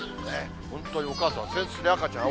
本当にお母さん、扇子で赤ちゃんをあ